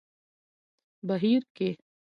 بهير کې